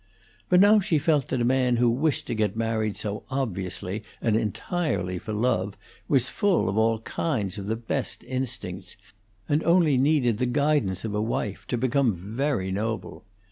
But now she felt that a man who wished to get married so obviously and entirely for love was full of all kinds of the best instincts, and only needed the guidance of a wife, to become very noble.